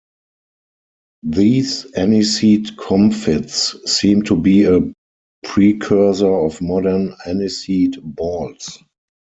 These aniseed comfits seem to be a precursor of modern aniseed balls.